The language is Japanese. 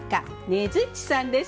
ねづっちさんです。